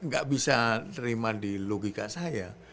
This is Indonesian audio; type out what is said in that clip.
gak bisa terima di logika saya